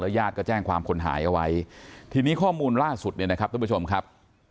ญาติก็แจ้งความคนหายเอาไว้ทีนี้ข้อมูลล่าสุดเนี่ยนะครับท่านผู้ชมครับ